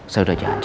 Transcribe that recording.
saya udah janji